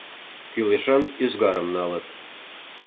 Кӱлешан ӱзгарым налыт.